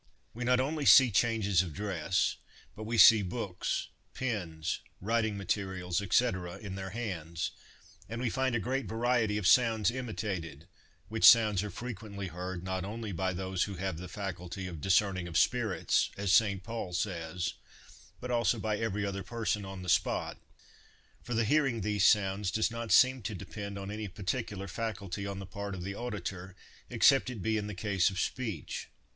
We not only see changes of dress, but we see books, pens, writing materials, &c., in their hands; and we find a great variety of sounds imitated—which sounds are frequently heard, not only by those who have the faculty of "discerning of spirits," as St. Paul says, but also by every other person on the spot, for the hearing these sounds does not seem to depend on any particular faculty on the part of the auditor, except it be in the case of speech.